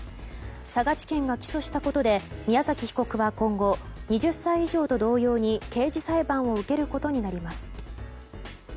佐賀地検が起訴したことで宮崎被告は今後２０歳以上と同様に刑事裁判を受けることになります。